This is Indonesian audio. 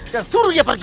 dan suruh dia pergi